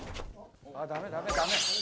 ・あっダメダメダメ